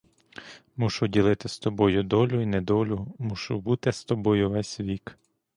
Мушу ділити з тобою долю й недолю, мушу бути з тобою весь вік.